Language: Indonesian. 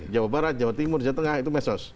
jawa barat jawa timur jawa tengah itu mesos